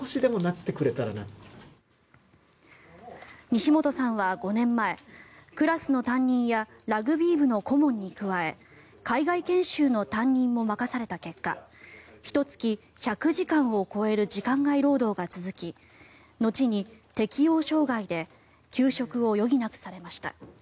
西本さんは５年前クラスの担任やラグビー部の顧問に加え海外研修の担当も任された結果ひと月１００時間を超える時間外労働が続き後に適応障害で休職を余儀なくされました。